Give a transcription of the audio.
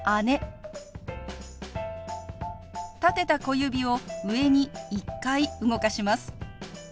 立てた小指を上に１回動かします。